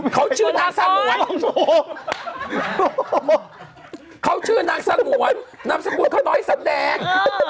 เขาชื่อนางสังหวนน้ำสกุลเขาน้อยสัมแดง